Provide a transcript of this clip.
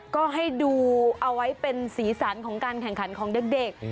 ก็ให้ดูเอาไว้เป็นสีสันของการแข่งขันของเด็ก